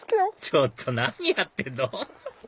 ちょっと何やってんの？